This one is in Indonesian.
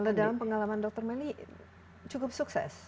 kalau dalam pengalaman dr melly cukup sukses